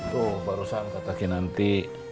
tuh barusan kata kinanti